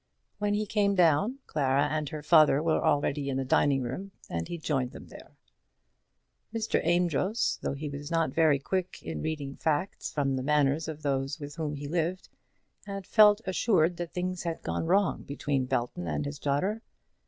When he came down, Clara and her father were already in the dining room, and he joined them there. Mr. Amedroz, though he was not very quick in reading facts from the manners of those with whom he lived, had felt assured that things had gone wrong between Belton and his daughter.